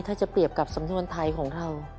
ถ้าจะเปรียบกับสำนวนไทยของเรา